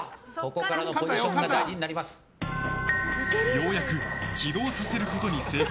ようやく起動させることに成功！